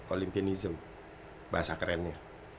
olimpianism bahasa kerennya